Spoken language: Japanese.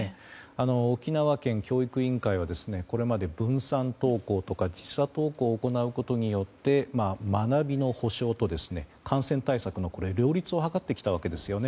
沖縄県教育委員会はこれまで分散登校とか時差登校を行うことによって学びの保証と感染対策の両立を図ってきたわけですよね。